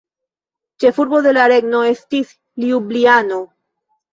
Ĉefurbo de la regno estis Ljubljano.